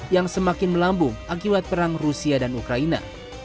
yang semakin melambung akibat perang rusia dan ukraina